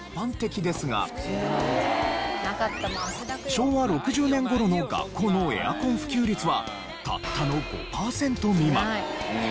昭和６０年頃の学校のエアコン普及率はたったの５パーセント未満。